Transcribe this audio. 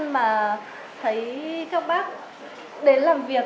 mà thấy các bác đến làm việc